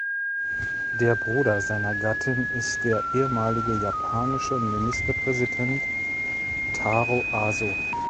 Der Bruder seiner Gattin ist der ehemalige japanische Ministerpräsident Taro Aso.